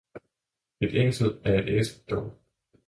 Et Æsel er et Æsel dog